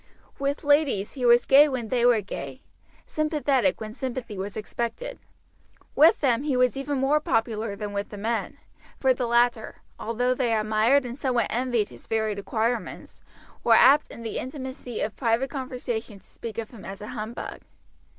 With ladies he was gay when they were gay, sympathetic when sympathy was expected. With them he was even more popular than with the men, for the latter, although they admired and somewhat envied his varied acquirements, were apt in the intimacy of private conversation to speak of him as a humbug.